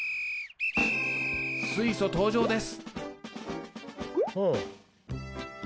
水素登場です。